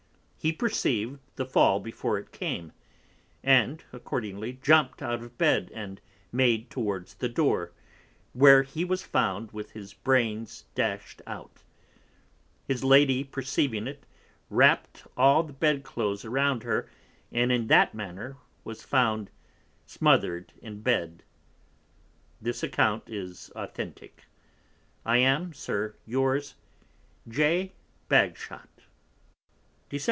He perceiv'd the fall before it came, and accordingly jump't out of Bed, and made towards the Door, where he was found with his Brains dash'd out; his Lady perceiving it, wrapt all the Bed cloaths about her, and in that manner was found smother'd in Bed. This account is Authentick, I am, Sir, yours, Dec. 9.